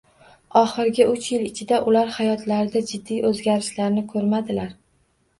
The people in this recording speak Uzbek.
Oxirgi uch yil ichida ular hayotlarida jiddiy o'zgarishlarni ko'rmadilar